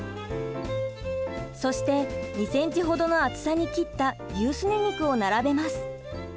そして２センチ程の厚さに切った牛すね肉を並べます。